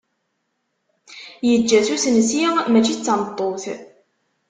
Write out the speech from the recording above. Yeǧǧa-tt usensi, mačči d tameṭṭut.